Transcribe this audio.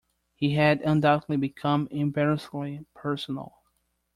He had undoubtedly become embarrassingly personal.